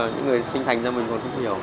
những người sinh thành ra mình cũng không hiểu